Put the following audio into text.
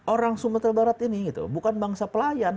orang sumatera barat ini gitu bukan bangsa pelayan